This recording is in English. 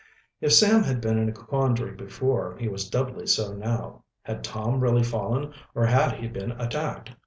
If Sam had been in a quandary before, he was doubly so now. Had Tom really fallen, or had he been attacked?